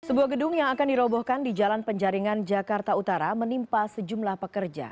sebuah gedung yang akan dirobohkan di jalan penjaringan jakarta utara menimpa sejumlah pekerja